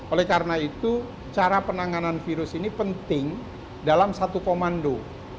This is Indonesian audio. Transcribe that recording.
oleh karena itu cara penanganan virus ini penting dalam satu komando